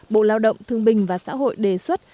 bộ lao động thương bình và xã hội đề xuất